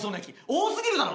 多すぎるだろ。